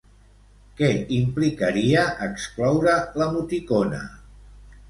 Què implicaria excloure l'emoticona?